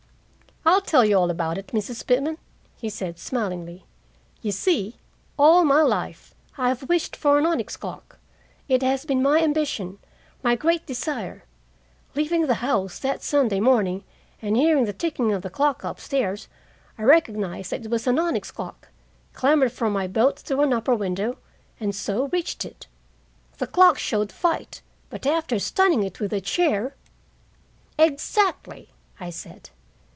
"I'll tell you all about it, Mrs. Pitman," he said smilingly. "You see, all my life, I have wished for an onyx clock. It has been my ambition, my Great Desire. Leaving the house that Sunday morning, and hearing the ticking of the clock up stairs, I recognized that it was an onyx clock, clambered from my boat through an upper window, and so reached it. The clock showed fight, but after stunning it with a chair " "Exactly!" I said.